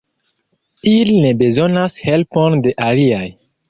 Ili ne bezonas helpon de aliaj.